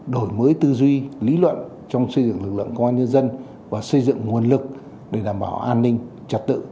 đổi mới tư duy lý luận trong xây dựng lực lượng công an nhân dân và xây dựng nguồn lực để đảm bảo an ninh trật tự